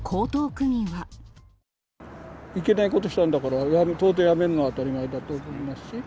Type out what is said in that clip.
いけないことしたんだから、当然、辞めるのは当たり前だと思いますし。